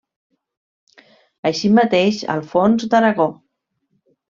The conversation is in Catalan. Així mateix Alfons d'Aragó.